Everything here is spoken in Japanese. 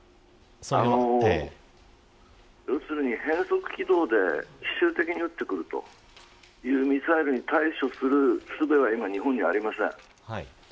変則軌道で奇襲的に撃ってくるミサイルに対処するすべが日本にはありません。